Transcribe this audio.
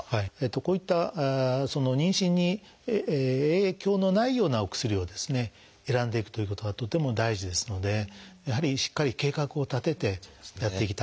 こういった妊娠に影響のないようなお薬を選んでいくということがとても大事ですのでやはりしっかり計画を立ててやっていただきたいと思います。